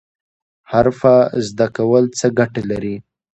حرفه زده کول څه ګټه لري؟